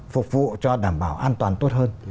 phục vụ cho đảm bảo an toàn tốt hơn